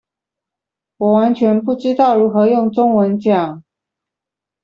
我完全不知道如何用中文講